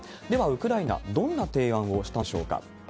ではウクライナ、どんな提案をしたんでしょうか。